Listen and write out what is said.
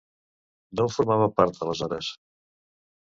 D'on formava part aleshores?